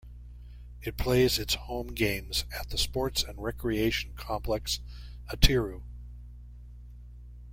It plays its home games at the "Sports and Recreation complex Atyrau".